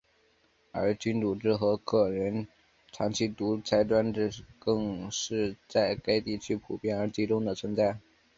而君主制和个人长期独裁专制更是在该地区普遍而集中地存在。